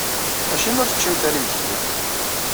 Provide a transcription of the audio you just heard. Acimi ur teččimt ara imekli?